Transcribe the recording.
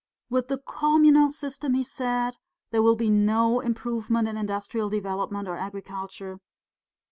'With the communal system,' he said, 'there will be no improvement in industrial development or agriculture.